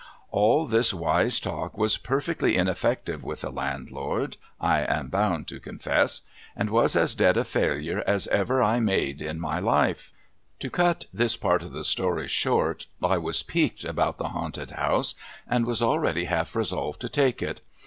All this wise talk was perfectly ineffective with the landlord, I am bound to confess, and was as dead a failure as ever I made in my life. MASTER B. 205 To cut this part of the story short, I was piqued about the haunted house, and was already half resolved to take it.